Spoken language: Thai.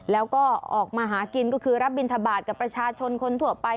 แล้วก็ออกมาหากินก็คือรับบินทบาทกับประชาชนคนทั่วไป